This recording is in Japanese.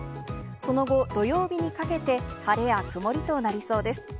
その後、土曜日にかけて、晴れや曇りとなりそうです。